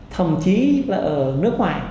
thậm chí là ở nước ngoài